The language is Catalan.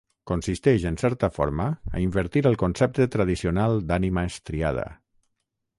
Consisteix, en certa forma, a invertir el concepte tradicional d'ànima estriada.